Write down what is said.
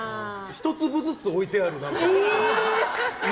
１粒ずつ置いてあるの。